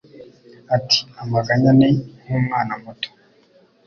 Ati: “Amaganya ni nkumwana muto.